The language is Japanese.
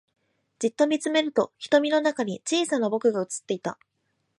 じっと見つめると瞳の中に小さな僕が映っていた